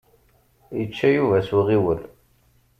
Yečča Yuba s uɣiwel.